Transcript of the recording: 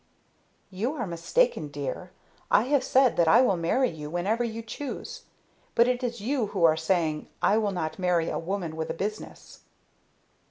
"You are mistaken, dear. I have said that I will marry you whenever you choose. But it is you who are saying, 'I will not marry a woman with a business.'"